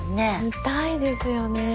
見たいですよね。